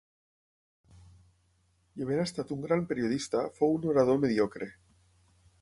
I havent estat un gran periodista, fou un orador mediocre.